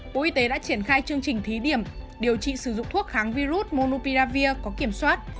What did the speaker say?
bộ y tế đã triển khai chương trình thí điểm điều trị sử dụng thuốc kháng virus monupiravir có kiểm soát